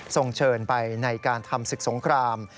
ส่งเชิญไปในการทำศึกสงคราม